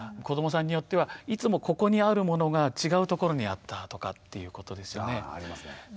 子どもさんによってはいつもここにあるものが違うところにあったとかっていうことですよね。